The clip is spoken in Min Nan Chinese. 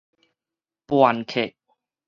叛客